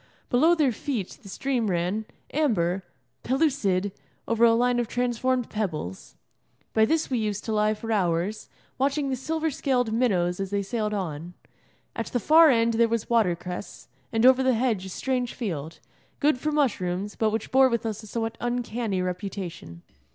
Below their feet the stream ran, amber, pellucid, over a line of transformed pebbles. By this we used to lie for hours, watching the silver scaled minnows as they sailed on. At the far end there was watercress, and over the hedge a strange field, good for mushrooms, but which bore with us a somewhat uncanny reputation.